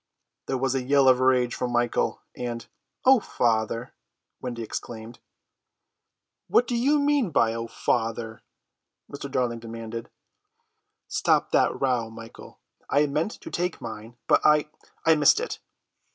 There was a yell of rage from Michael, and "O father!" Wendy exclaimed. "What do you mean by 'O father'?" Mr. Darling demanded. "Stop that row, Michael. I meant to take mine, but I—I missed it."